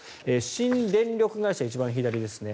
新電力会社、一番左ですね